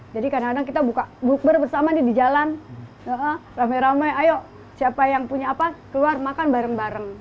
jadi kadang kadang kita buka bukber bersama di jalan rame rame ayo siapa yang punya apa keluar makan bareng bareng